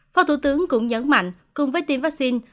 phó thủ tướng cũng nhấn mạnh cùng với tiêm vaccine